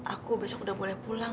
aku besok udah boleh pulang